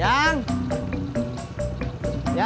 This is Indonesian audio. ya apa engkau nyuru ya